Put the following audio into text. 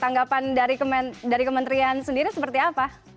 tanggapan dari kementerian sendiri seperti apa